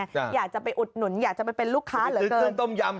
อยากจะไปอุดหนุนอยากจะไปเป็นลูกค้าเหลือเกินเครื่องต้มยำ